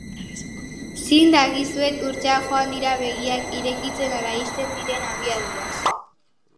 Zin dagizuet, urteak joan dira begiak irekitzen ala ixten diren abiaduraz.